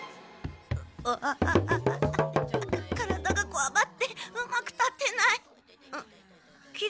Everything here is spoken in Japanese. ああ体がこわばってうまく立てない。